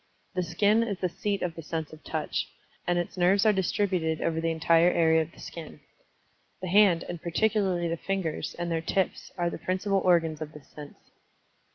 The skin is the seat of the sense of Touch, and its nerves are distributed over the entire area of the skin. The hand, and particularly the fingers, and their tips, are the principal organs of this sense.